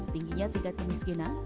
tingginya tingkat kemiskinan